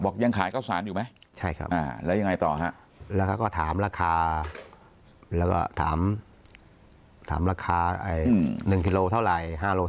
๑กิโลเท่าไหร่๕กิโลเท่าไหร่